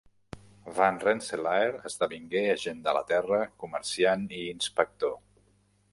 Van Rensselaer esdevingué agent de la terra, comerciant i inspector.